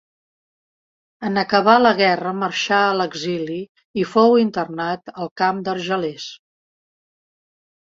En acabar la guerra marxà a l'exili i fou internat al camp d'Argelers.